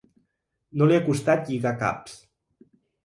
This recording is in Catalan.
No li ha costat lligar caps.